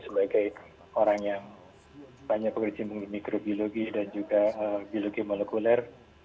sebagai orang yang banyak bekerja mikrobiologi dan juga biologi molekuler